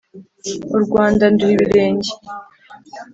u rwanda nduha ibirenge